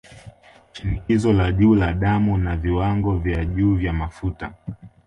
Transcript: Shinikizo la juu la damu na Viwango vya juu vya Mafuta